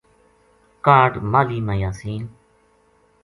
کا ہڈ ماہلی ما یاسین